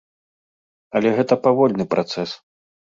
Але гэта павольны працэс.